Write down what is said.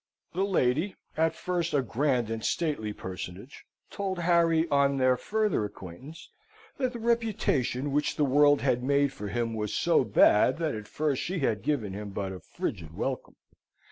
The lady, at first a grand and stately personage, told Harry, on their further acquaintance, that the reputation which the world had made for him was so bad, that at first she had given him but a frigid welcome.